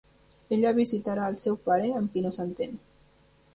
Ella visitarà el seu pare amb qui no s'entén.